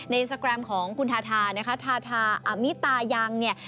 ในอินสตรแกรมของคุณธาธาธาธาอัมิตายังเนี่ย